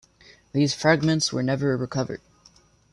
These fragments were never recovered.